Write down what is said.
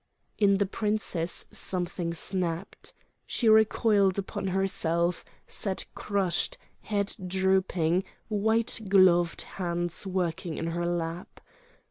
In the princess something snapped: she recoiled upon herself, sat crushed, head drooping, white gloved hands working in her lap.